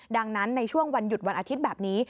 ดังนั้นในช่วงวันหยุดวันอาทิตย์แบบนี้